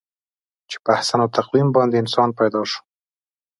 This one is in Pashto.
چې په احسن تقویم باندې انسان پیدا شو.